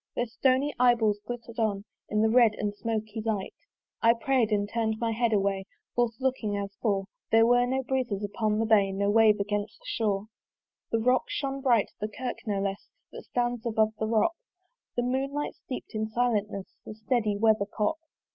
Their stony eye balls glitter'd on In the red and smoky light. I pray'd and turn'd my head away Forth looking as before. There was no breeze upon the bay, No wave against the shore. The rock shone bright, the kirk no less That stands above the rock: The moonlight steep'd in silentness The steady weathercock.